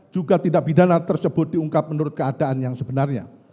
juga tindak pidana tersebut diungkap menurut keadaan yang sebenarnya